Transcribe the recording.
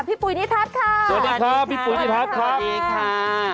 ปุ๋ยนิทัศน์ค่ะสวัสดีครับพี่ปุ๋ยนิทัศน์ครับสวัสดีค่ะ